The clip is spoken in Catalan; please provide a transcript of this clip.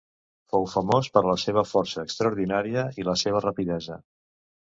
Fou famós per la seva força extraordinària i la seva rapidesa.